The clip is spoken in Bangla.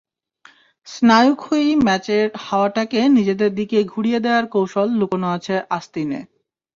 স্নায়ুক্ষয়ী ম্যাচের হাওয়াটাকে নিজেদের দিকে ঘুরিয়ে দেওয়ার কৌশল লুকানো আছে আস্তিনে।